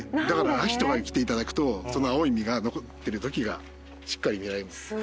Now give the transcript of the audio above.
だから秋とかに来ていただくとその青い実が残ってるときがしっかり見られます。